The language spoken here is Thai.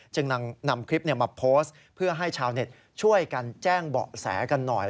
จึงนำคลิปมาโพสต์เพื่อให้ชาวเน็ตช่วยกันแจ้งเบาะแสกันหน่อย